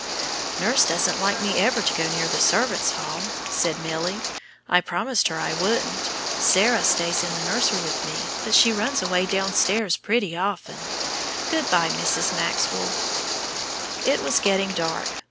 "Nurse doesn't like me ever to go near the servants' hall," said Milly; "I promised her I wouldn't. Sarah stays in the nursery with me, but she runs away downstairs pretty often. Good bye, Mrs. Maxwell." It was getting dark.